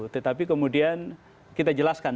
maka kemudian komnas ham menegur wali kota itu